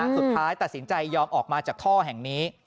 สุดท้ายตัดสินใจยอมออกมาจากท่อแห่งนี้